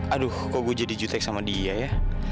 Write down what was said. aduh kok gue jadi jutek sama dia ya